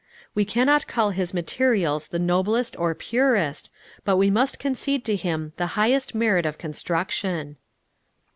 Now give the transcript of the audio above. We cannot call his materials the noblest or purest, but we must concede to him the highest merit of construction.